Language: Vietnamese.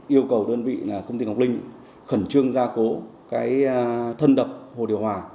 yêu cầu đơn vị công ty ngọc linh khẩn trương gia cố thân đập hồ điều hòa